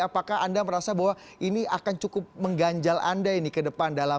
apakah anda merasa bahwa ini akan cukup mengganjal anda ini ke depan dalam